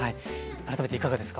改めていかがですか？